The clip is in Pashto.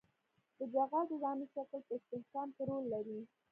د جغل د دانو شکل په استحکام کې رول لري